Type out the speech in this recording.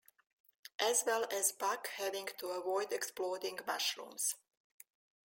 As well as Buck having to avoid exploding mushrooms.